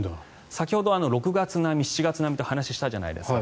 先ほど６月並み、７月並みという話をしたじゃないですか。